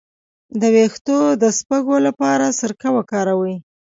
د ویښتو د شپږو لپاره سرکه وکاروئ